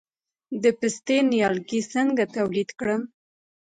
د پستې نیالګي څنګه تولید کړم؟